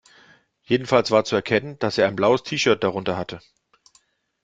Jedenfalls war zu erkennen, dass er ein blaues T-Shirt drunter hatte.